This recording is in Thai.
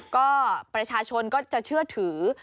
ก็ประชาชนก็จะเชื่อถือ